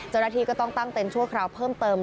เจ้าหน้าที่ก็ต้องตั้งเต้นชั่วคราวเพิ่มเติม